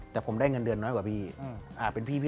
แต่ผมได้เงินน้อยกว่าพี่